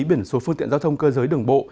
biển số phương tiện giao thông cơ giới đường bộ